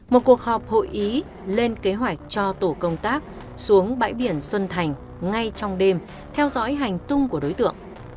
một cuộc họp hội ý lên kế hoạch cho tổ công tác xuống bãi biển xuân thành ngay trong đêm theo dõi hành tung của đối tượng